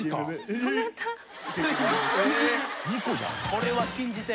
これは禁じ手。